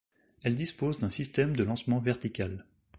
Elles disposent d'un système de lancement vertical.